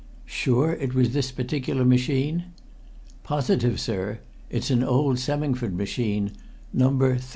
"Sure it was this particular machine?" "Positive, sir; it's an old Semmingford machine, number 32,587."